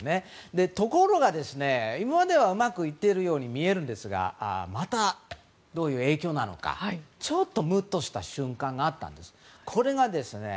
ところが、今まではうまくいっているように見えるんですがまたどういう影響なのかちょっとむっとした瞬間があったんです。